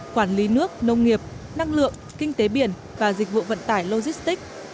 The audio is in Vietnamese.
quản lý nước nông nghiệp năng lượng kinh tế biển và dịch vụ vận tải logistic